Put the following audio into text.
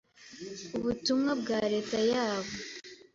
ubutumwa bwa leta yabo